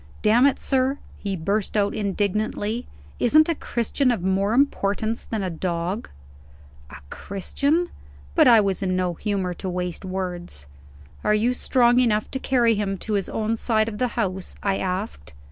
"Damn it, sir," he burst out indignantly, "isn't a Christian of more importance than a dog?" A Christian! but I was in no humor to waste words. "Are you strong enough to carry him to his own side of the house?" I asked.